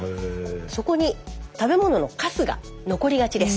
そこに食べ物のかすが残りがちです。